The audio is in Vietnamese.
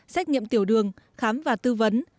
xét nghiệm tiểu đường khám và tư vấn